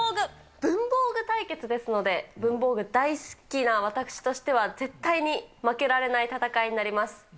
文房具たいけつですので文房具大好きな私としては絶対に負けられない戦いになります。